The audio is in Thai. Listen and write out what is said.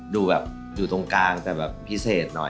ดูแบบอยู่ตรงกลางแต่แบบพิเศษหน่อย